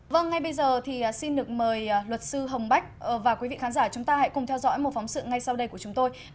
vâng ngay bây giờ thì xin được mời luật sư hồng bách và quý vị khán giả chúng ta hãy cùng theo dõi một phóng sự ngay sau đây của chúng tôi